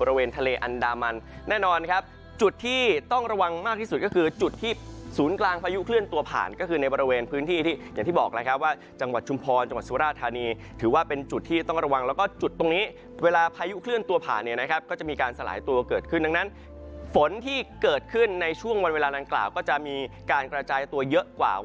ประหว่างพายุเคลื่อนตัวผ่านก็คือในบริเวณพื้นที่ที่อย่างที่บอกนะครับว่าจังหวัดจุมพรจังหวัดสุราชธานีถือว่าเป็นจุดที่ต้องระวังแล้วก็จุดตรงนี้เวลาพายุเคลื่อนตัวผ่านเนี่ยนะครับก็จะมีการสลายตัวเกิดขึ้นดังนั้นฝนที่เกิดขึ้นในช่วงวันเวลานั้นกล่าก็จะมีการกระจายตัวเยอะกว่าวั